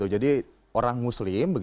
jadi orang muslim